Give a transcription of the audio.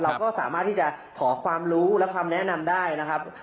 เราก็สามารถที่จะขอความรู้และความแนะนำได้นะครับ